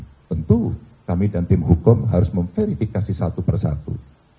tentu kami dan tim hukum harus memverifikasi satu persatu